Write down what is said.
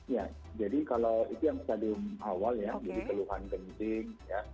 ya jadi kalau itu yang stadium awal ya jadi keluhan kencing ya